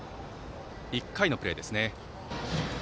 １回のプレーですね。